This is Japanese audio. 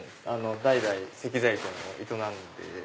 代々石材店を営んでて。